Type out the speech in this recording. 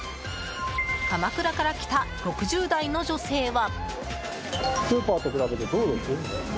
鎌倉から来た、６０代の女性は。